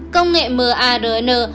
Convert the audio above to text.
công nghệ mrna và vaccine